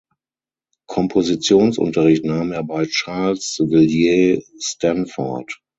Kompositionsunterricht nahm er bei Charles Villiers Stanford.